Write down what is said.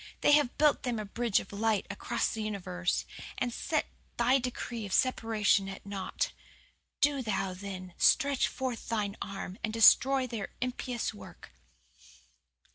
They have built them a bridge of light across the universe, and set Thy decree of separation at naught. Do Thou, then, stretch forth Thine arm and destroy their impious work.